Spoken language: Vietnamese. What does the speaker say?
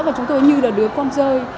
và chúng tôi như là đứa con rơi